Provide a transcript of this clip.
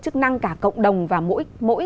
chức năng cả cộng đồng và mỗi